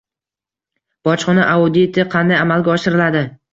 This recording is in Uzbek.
Bojxona auditi qanday amalga oshiriladi?